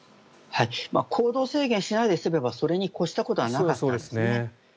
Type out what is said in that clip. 行動制限しないで済めばそれに越したことはなかったんですね。